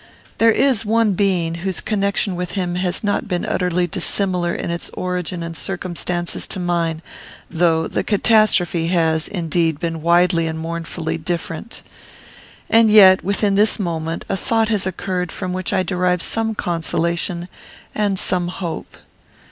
There is one being, whose connection with him has not been utterly dissimilar in its origin and circumstances to mine, though the catastrophe has, indeed, been widely and mournfully different. "And yet, within this moment, a thought has occurred from which I derive some consolation and some hope.